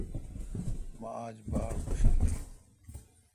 مہ آج باڑ بشیل جیت۔